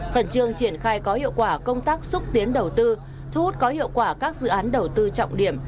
phần trường triển khai có hiệu quả công tác xúc tiến đầu tư thu hút có hiệu quả các dự án đầu tư trọng điểm